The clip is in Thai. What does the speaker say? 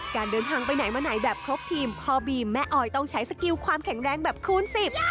การเดินทางไปไหนมาไหนแบบครบทีมพ่อบีมแม่ออยต้องใช้สกิลความแข็งแรงแบบคูณสิบ